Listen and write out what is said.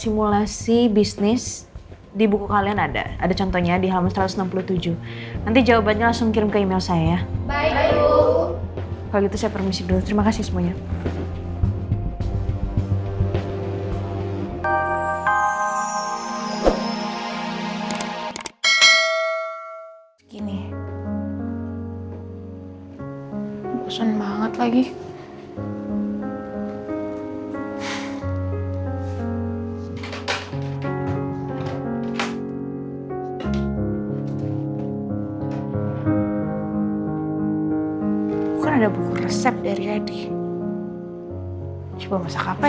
masak aja deh